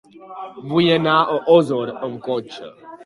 Vull anar a Osor amb cotxe.